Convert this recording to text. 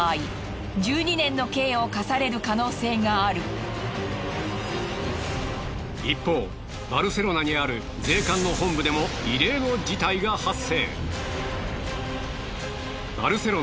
そして一方バルセロナにある税関の本部でも異例の事態が発生。